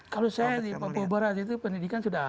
kalau saya di papua barat itu pendidikan sudah ada